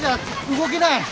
動げない。